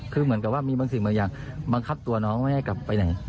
คือเหมือนกับว่ามีบางสิ่งบางอย่างบังคับตัวน้องไม่ให้กลับไปไหน